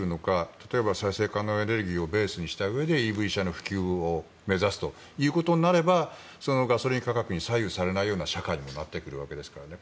例えば、再生可能エネルギーをベースにしたうえでＥＶ車の普及を目指すということになればガソリン価格に左右されないよな社会になってくるわけですから。